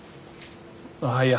ああいや